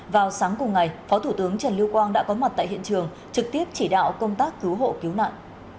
vào sáng cùng ngày phó thủ tướng trần lưu quang đã có mặt tại hiện trường trực tiếp chỉ đạo công tác cứu hộ cứu nạn